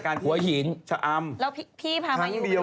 เขายังรู้พี่จำไม่ได้